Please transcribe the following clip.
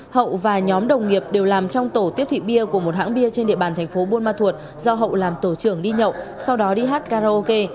hậu và nhóm đồng nghiệp đều làm trong tổ tiếp thị bia của một hãng bia trên địa bàn thành phố buôn ma thuột do hậu làm tổ trưởng đi nhậu sau đó đi hát karaoke